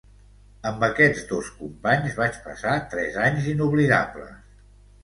Amb aquests dos companys vaig passar tres anys inoblidables.